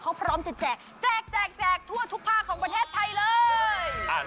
เขาพร้อมจะแจกแจกแจกทั่วทุกภาคของประเทศไทยเลย